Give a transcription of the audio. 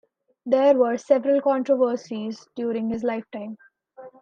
There were several controversies during his lifetime.